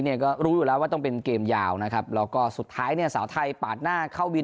เนี่ยก็รู้อยู่แล้วว่าต้องเป็นเกมยาวนะครับแล้วก็สุดท้ายเนี่ยสาวไทยปาดหน้าเข้าวิน